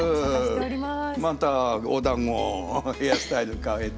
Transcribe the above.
またおだんごヘアスタイル変えて。